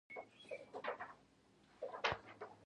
سلای فاکس ژر له غار څخه راووت او وتښتید